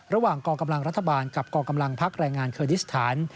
ระหว่างกองกำลังรัฐบาลกับกองกำลังพักแรงงานเคอร์ดิสถาน